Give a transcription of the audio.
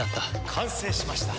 完成しました。